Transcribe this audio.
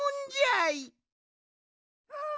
うん！